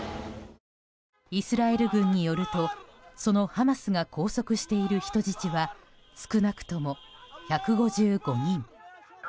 イスラエル軍によるとそのハマスが拘束している人質は少なくとも１５５人。